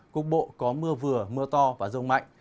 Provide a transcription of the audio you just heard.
cục bộ có mưa vừa mưa to và rông mạnh